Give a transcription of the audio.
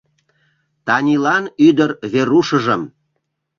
Танилан ӱдыр Верушыжым